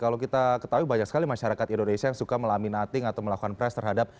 kalau kita ketahui banyak sekali masyarakat indonesia yang suka melaminating atau melakukan press terhadap